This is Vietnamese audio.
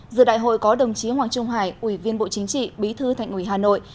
giữa đại hội có đồng chí hoàng trung hải ủy viên bộ chính trị bí thư thành ủy hà nội